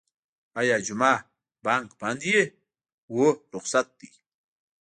ایا جمعه بانک بند وی؟ هو، رخصت ده